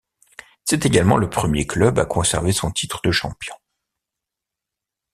C'est également le premier club à conserver son titre de champion.